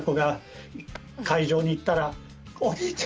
会場に行ったら。